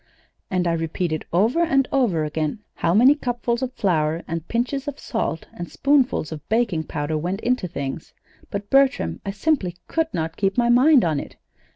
"And I repeated over and over again how many cupfuls of flour and pinches of salt and spoonfuls of baking powder went into things; but, Bertram, I simply could not keep my mind on it.